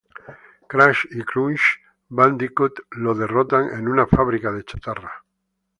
Crash y Crunch Bandicoot lo derrotan en una fábrica de chatarra.